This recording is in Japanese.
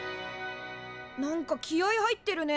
何か気合い入ってるね。